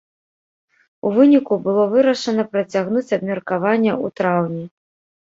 У выніку, было вырашана працягнуць абмеркаванне ў траўні.